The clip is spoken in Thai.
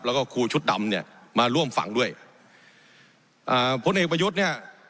แล้วก็ครูชุดดำเนี่ยมาร่วมฟังด้วยอ่าพลเอกประยุทธ์เนี่ย